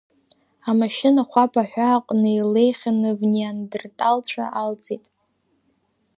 Амашьына Хәаԥ аҳәааҟны илеихьаны внеандерталцәа алҵит.